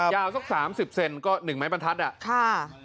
ยาวสัก๓๐เซนก็หนึ่งไหม้ปันทัศน์อะ